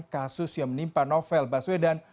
kasus yang menimpa novel baswedan